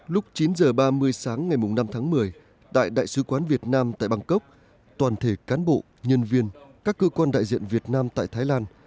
lúc chín h ba mươi sáng ngày năm tháng một mươi tại đại sứ quán việt nam tại bangkok toàn thể cán bộ nhân viên các cơ quan đại diện việt nam tại thái lan